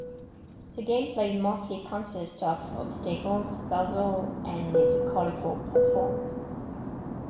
The gameplay mostly consists of obstacles, puzzles and is a colorful platformer.